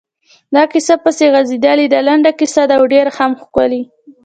دا کیسه پسې غځېدلې ده، لنډه کیسه ده او ډېره هم ښکلې…